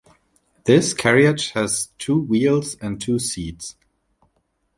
This carriage had two wheels and two seats.